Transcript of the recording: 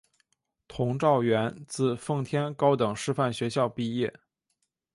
佟兆元自奉天高等师范学校毕业。